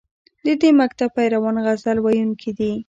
د دې مکتب پیروان غزل ویونکي دي